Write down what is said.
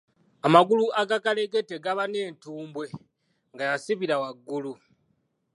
Amagulu agakalegete gaba n’entumbwe nga yasibira waggulu.